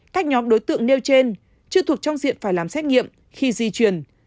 các nhóm đối tượng nêu trên chưa thuộc trong diện phải làm xét nghiệm khi di chuyển